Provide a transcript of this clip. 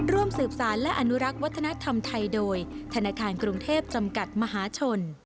ร่วมสืบสารและอนุรักษ์วัฒนธรรมไทยโดยธนาคารกรุงเทพจำกัดมหาชน